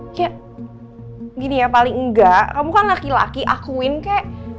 cek gini ya paling enggak kamu kan laki laki akuin kek